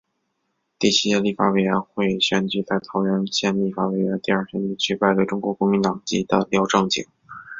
第七届立法委员选举在桃园县立法委员第二选举区败给中国国民党籍的廖正井。